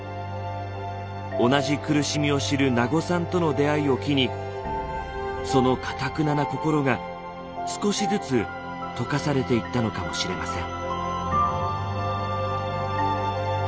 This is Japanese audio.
同じ苦しみを知る名護さんとの出会いを機にそのかたくなな心が少しずつ解かされていったのかもしれません。